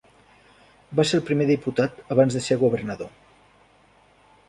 Va ser el primer diputat abans de ser governador.